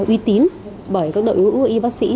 uy tín bởi các đội ưu y bác sĩ